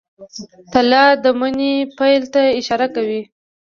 تله د مني پیل ته اشاره کوي.